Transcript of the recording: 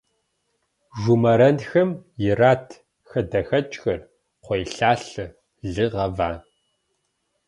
Жумэрэнхэм ират хадэхэкӏхэр, кхъуейлъалъэ, лы гъэва.